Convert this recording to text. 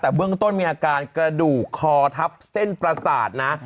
แต่เบื้องต้นมีอาการกระดูกคอทับเส้นประสาทนะ